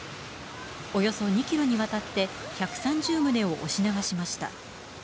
およそ２ｋｍにわたって１３０棟を押し流しました。